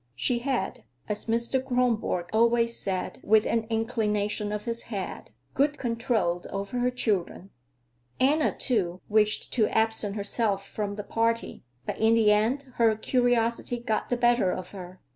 She had, as Mr. Kronborg always said with an inclination of his head, good control over her children. Anna, too, wished to absent herself from the party, but in the end her curiosity got the better of her.